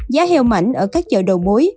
giá heo mảnh ở các chợ đầu mối